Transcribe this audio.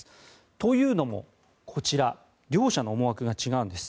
というのも、こちら両者の思惑が違うんです。